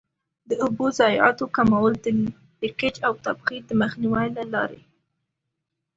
د اوبو ضایعاتو کمول د لیکج او تبخیر د مخنیوي له لارې.